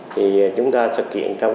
thì chúng ta thực hiện trong